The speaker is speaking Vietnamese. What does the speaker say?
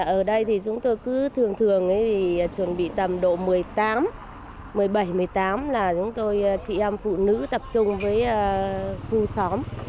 ở đây thì chúng tôi cứ thường thường chuẩn bị tầm độ một mươi tám một mươi bảy một mươi tám là chúng tôi chị em phụ nữ tập trung với khu xóm